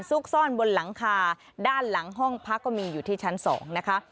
ซุกซ่อนบนหลังคาด้านหลังห้องพักก็มีอยู่ที่ชั้น๒นะคะ